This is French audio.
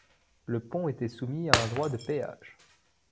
Le pont était soumis à un droit de péage.